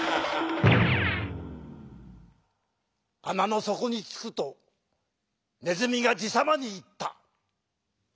あなのそこにつくとねずみがじさまにいった。